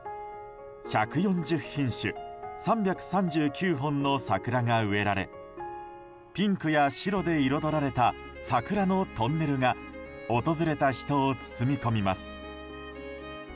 １４０品種３３９本の桜が植えられピンクや白で彩られた桜のトンネルが訪れた人を包み込みます。